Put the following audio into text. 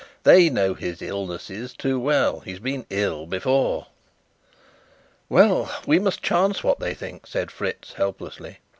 "They know his illnesses too well. He's been 'ill' before!" "Well, we must chance what they think," said Fritz helplessly.